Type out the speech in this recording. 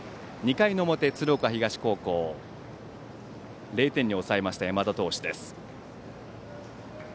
２回の表、鶴岡東高校０点に抑えました、山田投手です。